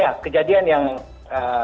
ya kejadian yang saat ini kita lihat ya